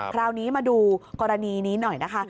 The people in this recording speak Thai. คราวนี้มาดูกรณีนี้หน่อยนะคะ